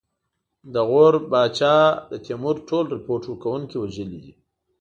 د غور پاچا د تیمور ټول رپوټ ورکوونکي وژلي دي.